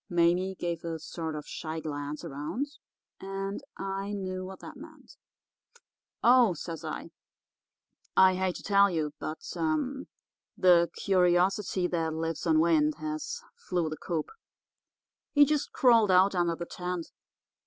"Mame gave a sort of sly glance around, and I knew what that meant. "'Oh,' says I, 'I hate to tell you; but the curiosity that lives on wind has flew the coop. He just crawled out under the tent.